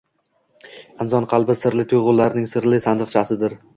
Inson qalbi sirli tuyg`ularning sirli sandiqchasidir